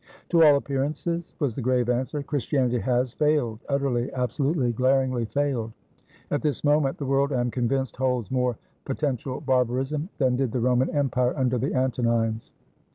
"To all appearances," was the grave answer, "Christianity has failedutterly, absolutely, glaringly failed. At this moment, the world, I am convinced, holds more potential barbarism than did the Roman Empire under the Antonines.